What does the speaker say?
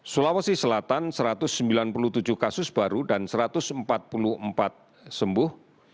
sulawesi selatan satu ratus sembilan puluh tujuh kasus baru dan satu ratus empat puluh empat sembuh